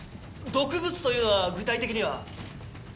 毒物というのは具体的には？